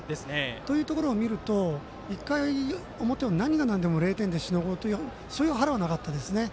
というところを見ると１回の表を何がなんでも０点でしのごうというそういう腹はなかったですね。